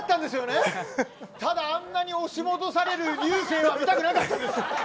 ただあんなに押し戻される竜星は見たくなかったです。